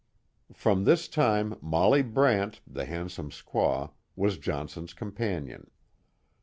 From this time Molly Brant, the handsome squaw, was Johnson's companion.